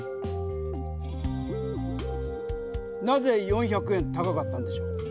なぜ４００円高かったんでしょう？